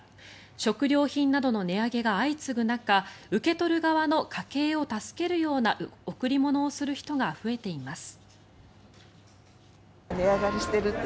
食料品などの値上げが相次ぐ中受け取る側の家計を助けるような贈り物をする人が増えています。